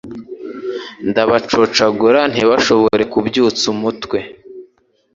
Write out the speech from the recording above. Ndabacocagura ntibashobore kubyutsa umutwe